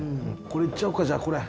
これいっちゃおうかこれ。